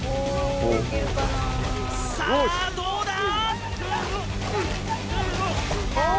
さあどうだ？